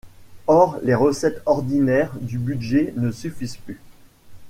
Or, les recettes ordinaires du budget ne suffisent plus.